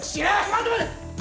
待て待て！